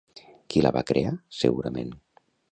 Qui la va crear, segurament?